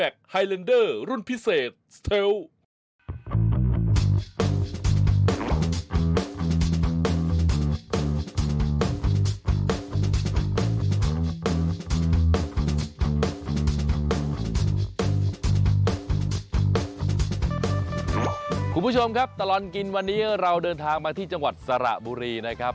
คุณผู้ชมครับตลอดกินวันนี้เราเดินทางมาที่จังหวัดสระบุรีนะครับ